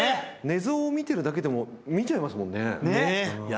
寝相を見てるだけでも見ちゃいますもんね。